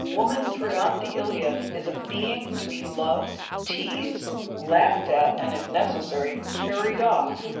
Woman throughout the Iliad is a being to be loved, teased, laughed at, and if necessary carried off.